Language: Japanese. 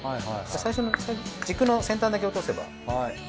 最初の軸の先端だけ落とせば。